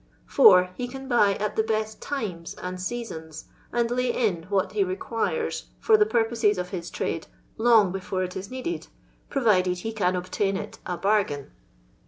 (4) He can buy at the best times and seasons; and "lay in" what he re quires for the purposes of his trade long before I it is needed, provided he can obtain it "a bar i gain."